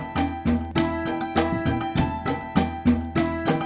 semarang semarang semarang